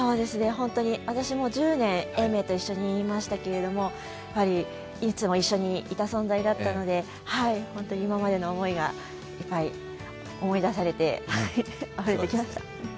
私も１０年、永明と一緒にいましたけれども、いつも一緒にいた存在だったので、本当に今までの思いが思い出されてあふれてきました。